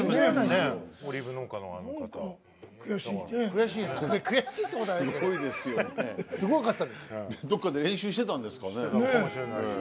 どこかで練習してたんですかね。